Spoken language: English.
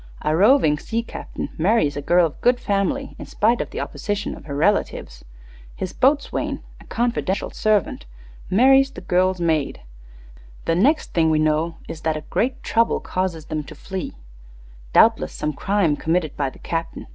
A roving sea captain marries a girl of good family in spite of the opposition of her relatives. His boatswain, a confidential servant, marries the girl's maid. The next thing we know is that a 'great trouble' causes them to flee doubtless some crime committed by the captain.